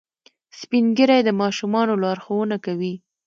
سپین ږیری د ماشومانو لارښوونه کوي